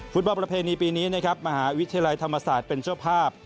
ประเพณีปีนี้นะครับมหาวิทยาลัยธรรมศาสตร์เป็นเจ้าภาพ